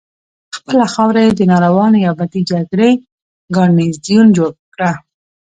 خپله خاوره یې د ناروا نیابتي جګړې ګارنیزیون کړه.